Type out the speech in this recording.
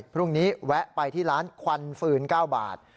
พรุ่งนี้แวะไปที่ร้านควันฟืน๙บาท